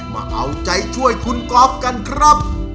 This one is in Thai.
มาเอาใจช่วยคุณก๊อฟกันครับ